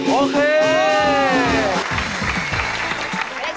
โอเค